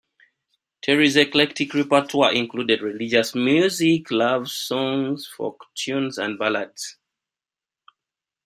Terri's eclectic repertoire included religious music, love songs, folk tunes and ballads.